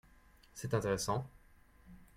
C’est intéressant